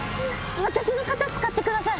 私の肩使ってください。